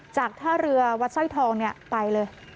จากท่าเรือวัดสร้อยทองไปเลย